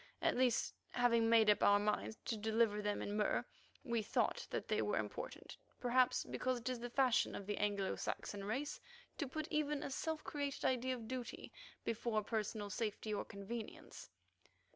At least, having made up our minds to deliver them in Mur, we thought that they were important, perhaps because it is the fashion of the Anglo Saxon race to put even a self created idea of duty before personal safety or convenience.